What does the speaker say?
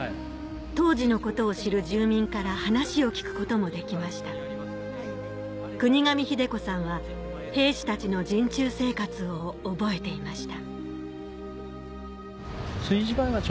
当時のことを知る住民から話を聞くこともできました国頭秀子さんは兵士たちの陣中生活を覚えていました